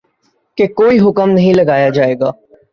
کہ کوئی حکم نہیں لگایا جائے گا